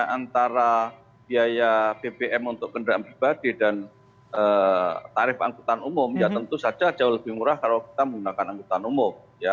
antara biaya bbm untuk kendaraan pribadi dan tarif angkutan umum ya tentu saja jauh lebih murah kalau kita menggunakan angkutan umum